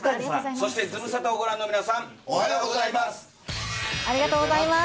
そしてズムサタをご覧の皆さありがとうございます。